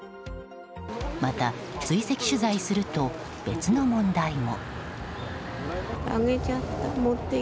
また、追跡取材すると別の問題も。